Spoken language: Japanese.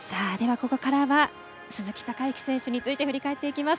ここからは鈴木孝幸選手について振り返っていきます。